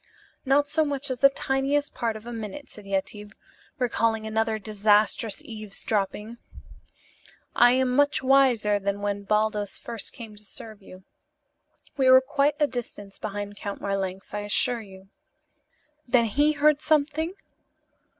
"Not so much as the tiniest part of a minute," said Yetive, recalling another disastrous eavesdropping. "I am much wiser than when Baldos first came to serve you. We were quite a distance behind Count Marlanx, I assure you." "Then he heard something?"